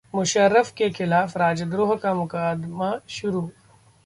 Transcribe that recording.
मुशर्रफ के खिलाफ राजद्रोह का मुकदमा शुरू